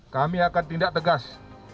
kami akan tindak tegas